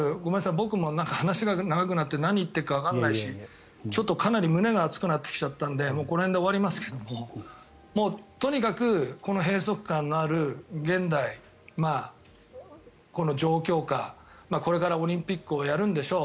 僕も話が長くなって何を言っているかわからないしちょっとかなり胸が熱くなってきちゃったんでこの辺で終わりますけどもとにかく、この閉塞感のある現代この状況下、これからオリンピックをやるんでしょう。